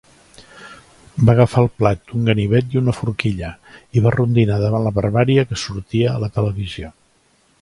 Va agafar el plat, un ganivet i una forquilla, i va rondinar davant la barbàrie que sortia a la televisió.